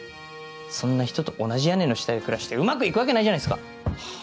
そんな人と同じ屋根の下で暮らしてうまくいくわけないじゃないですか！